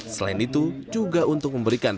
selain itu juga untuk memberikan